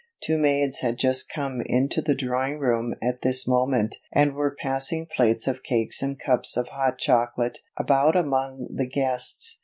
Two maids had just come into the drawing room at this moment and were passing plates of cake and cups of hot chocolate about among the guests.